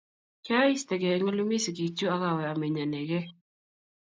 kiya ista ge eng' ole mi sigik chuk ak awe a meny anegee